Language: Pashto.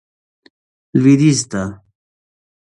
لوېدیځ ته.